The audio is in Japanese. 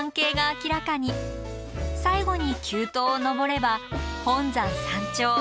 最後に急登を登れば本山山頂。